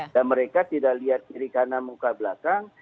dan mereka tidak lihat kiri kanan muka belakang